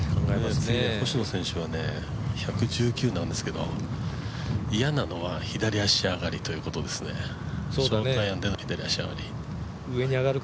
次の星野選手は１１９なんですけどいやなのは、左足上がりということですね、ショートアイアンでの左足上がり。